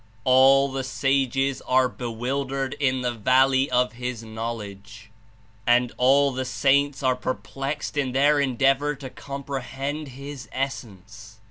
All the sages are bewildered in the valley of His Knowledge, and all the saints are perplexed In their endeavor to comprehend His Essence.